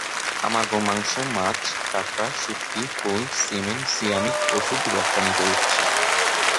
আমরা গো-মাংস, মাছ, কাঁকড়া, শুঁটকি, ফুল, সিমেন্ট, সিরামিক, ওষুধ রপ্তানি করছি।